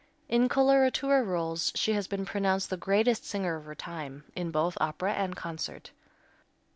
In coloratura rôles she has been pronounced the greatest singer of her time, both in opera and concert.